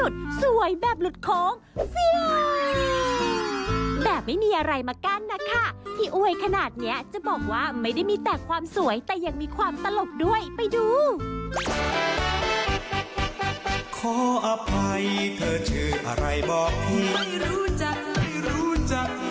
เธอชื่ออะไรบอกจะไม่รู้จักไม่รู้จักไม่รู้จักไม่รู้จัก